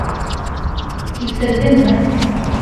Килтерҙеңме?